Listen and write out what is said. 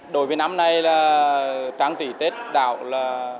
đối với năm nay là trang tỷ tết đảo là